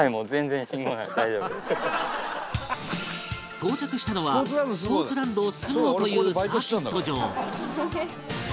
到着したのはスポーツランド ＳＵＧＯ というサーキット場